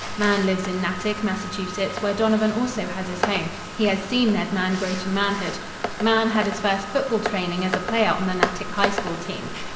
Mahan lives in Natick, Massachusetts, where Donovan also has his home. He has seen Ned Mahan grow to manhood. Mahan had his first football training as a player on the Natick High School team.